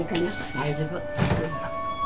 大丈夫。